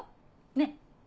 ねっ。